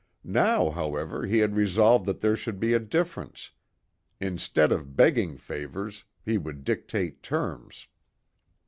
Now, however, he had resolved that there should be a difference: instead of begging favours, he would dictate terms.